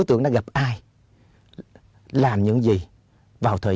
còn làm nói nói